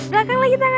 belakang lagi tangannya